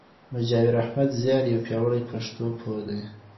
مجاور احمد زیار یو پیاوړی پښتو پوه دئ.